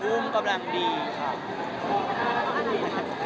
๓๔นุ่มกำลังดีค่ะ